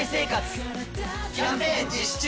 キャンペーン実施中！